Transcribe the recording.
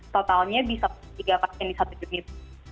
totalnya bisa tiga pasien di satu unit